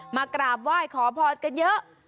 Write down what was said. มากราบไหว้ขอพรกันเยอะ